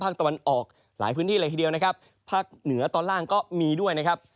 ตะวันออกหลายพื้นที่เลยทีเดียวนะครับภาคเหนือตอนล่างก็มีด้วยนะครับ